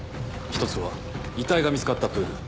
１つは遺体が見つかったプール。